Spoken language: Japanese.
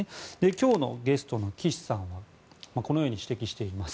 今日のゲストの岸さんはこのように指摘しています。